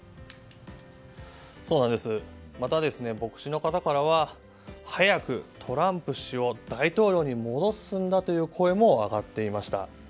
また牧師の方からは早くトランプ氏を大統領に戻すんだという声も上がっていました。